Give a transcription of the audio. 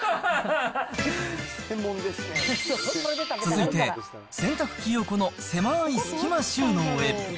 続いて、洗濯機横の狭ーい隙間収納へ。